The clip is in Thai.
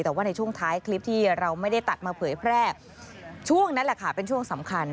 แต่ว่าในช่วงท้ายคลิปที่เราไม่ได้ตัดมาเผยแพร่ช่วงนั้นแหละค่ะเป็นช่วงสำคัญ